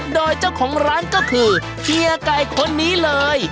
โดยเจ้าของร้านก็คือเฮียไก่คนนี้เลย